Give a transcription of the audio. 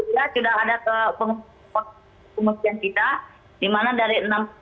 ya sudah ada kemungkinan kita dimana dari enam